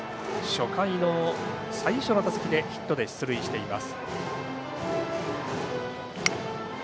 初回の最初の打席でヒットで出塁しています。